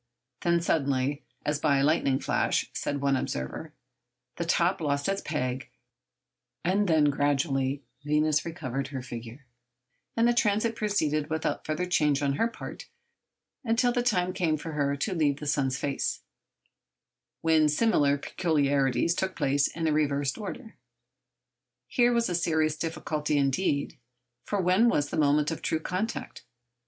Then suddenly—'as by a lightning flash,' said one observer—the top lost its peg, and then gradually Venus recovered her figure, and the transit proceeded without further change on her part until the time came for her to leave the sun's face, when similar peculiarities took place in a reversed order. Here was a serious difficulty indeed. For when was the moment of true contact?